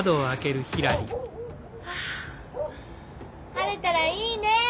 晴れたらいいね！